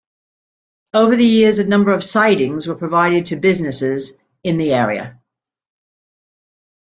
Over the years a number of sidings were provided to businesses in the area.